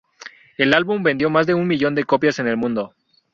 El álbum vendió más de un millón de copias en el mundo.